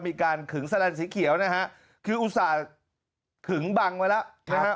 ขึงแลนสีเขียวนะฮะคืออุตส่าห์ขึงบังไว้แล้วนะฮะ